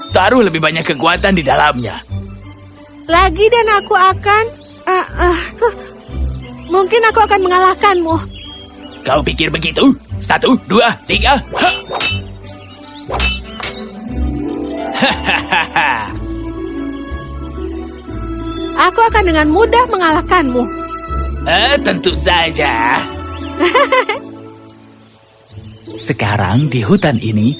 sekarang di hutan ini